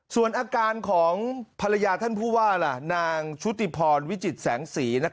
ส่วนอาการของภรรยาท่านผู้ว่าล่ะนางชุติพรวิจิตแสงสี